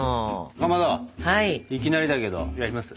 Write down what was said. かまどいきなりだけどやります？